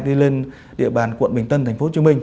đi lên địa bàn quận bình tân tp hcm